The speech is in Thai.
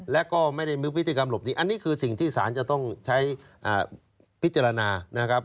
และก็ไม่ได้มีพฤติกรรมหลบหนีอันนี้คือสิ่งที่ศาลจะต้องใช้พิจารณานะครับ